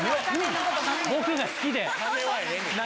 僕が好きで。